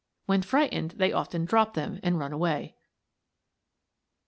When frightened they often drop them and run away.